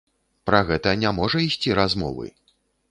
Пра гэта не можа ісці размовы!